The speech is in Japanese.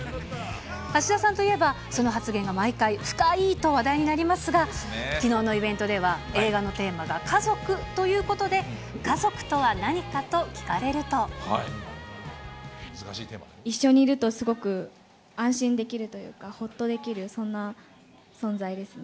芦田さんといえば、その発言が毎回深イイと話題になりますが、きのうのイベントでは、映画のテーマが家族ということで、一緒にいるとすごく安心できるというか、ほっとできる、そんな存在ですね。